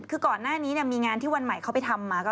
คือก่อนหน้านี้มีงานที่วันใหม่เขาไปทำมาก็